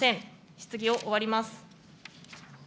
質疑を終わります。